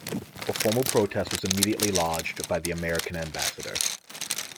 A formal protest was immediately lodged by the American ambassador.